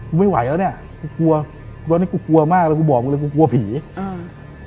ไม่ไหวแล้วเนี้ยกูกลัวตอนนี้กูกลัวมากแล้วกูบอกมึงเลยกูกลัวผีอ่า